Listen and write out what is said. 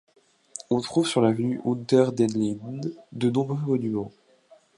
On trouve sur l'avenue Unter den Linden, de nombreux monuments.